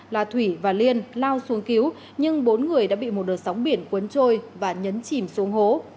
là thủy và liên lao xuống cứu nhưng bốn người đã bị một đợt sóng biển cuốn trôi và nhấn chìm xuống hố